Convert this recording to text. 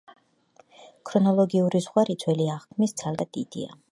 ქრონოლოგიური ზღვარი ძველი აღთქმის ცალკეულ ნაწილებს შორის მეტად დიდია.